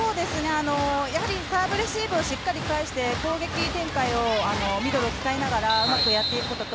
やはりサーブレシーブをしっかり返して攻撃展開をミドルを使いながらうまくやっていくことと